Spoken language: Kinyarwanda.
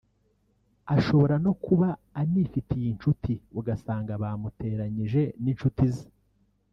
ashobora no kuba anifitiye inshuti ugasanga bamuteranyije n’inshuti ze